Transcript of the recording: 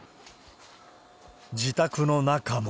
自宅の中も。